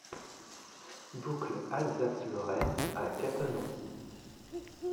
Boucle Alsace-Lorraine à Cattenom